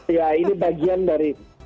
ya ini bagian dari